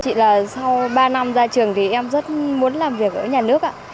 chị là sau ba năm ra trường thì em rất muốn làm việc với nhà nước ạ